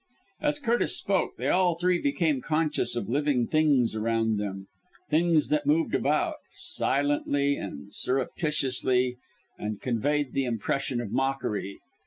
As Curtis spoke they all three became conscious of living things around them things that moved about, silently and surreptitiously and conveyed the impression of mockery.